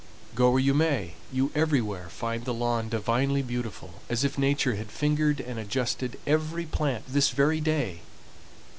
Go where you may, you everywhere find the lawn divinely beautiful, as if Nature had fingered and adjusted every plant this very day.